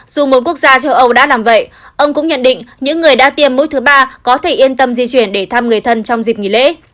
dù một quốc gia châu âu đã làm vậy ông cũng nhận định những người đã tiêm mũi thứ ba có thể yên tâm di chuyển để thăm người thân trong dịp nghỉ lễ